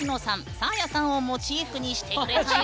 サーヤさんをモチーフにしてくれたよ。